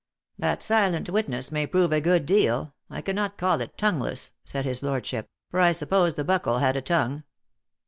" That silent witness may prove a good deal ; I can not call it tongueless," said his lordship, " for I sup pose the buckle had a tongue."